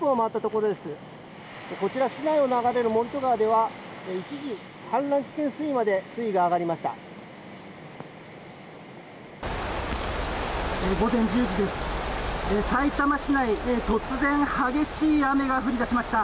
こちら市内を流れる森戸川では一時、氾濫危険水位まで水位が上がりました。